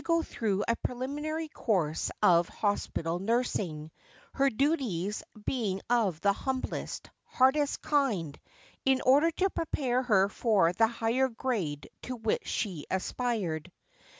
go through a preliminary course of hospital nursing, her duties being of the humblest, hardest kind, in order to prepare her for the higher grade to which she aspired.